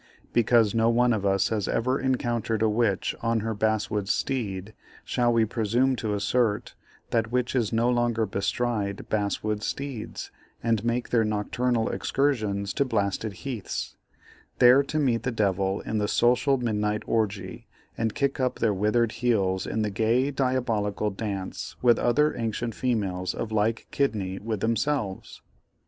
Because no one of us has ever encountered a witch on her basswood steed, shall we presume to assert that witches no longer bestride basswood steeds and make their nocturnal excursions to blasted heaths, there to meet the devil in the social midnight orgie, and kick up their withered heels in the gay diabolical dance with other ancient females of like kidney with themselves?